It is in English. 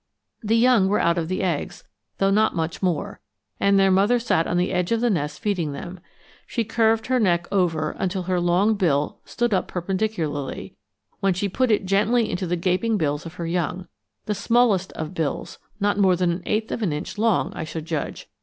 The young were out of the eggs, though not much more, and their mother sat on the edge of the nest feeding them. She curved her neck over till her long bill stood up perpendicularly, when she put it gently into the gaping bills of her young; the smallest of bills, not more than an eighth of an inch long, I should judge.